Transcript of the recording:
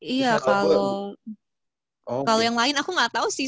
iya kalau yang lain aku gak tau sih